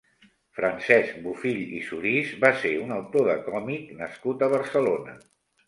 Francesc Bofill i Surís va ser un autor de còmic nascut a Barcelona.